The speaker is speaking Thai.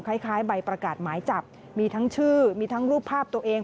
คล้ายใบประกาศหมายจับมีทั้งชื่อมีทั้งรูปภาพตัวเอง